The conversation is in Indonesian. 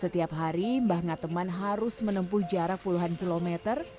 setiap hari banga teman harus menempuh jarak puluhan kilometer